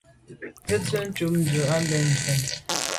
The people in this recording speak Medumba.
Nzenze tshob ndù à bèn jù fen.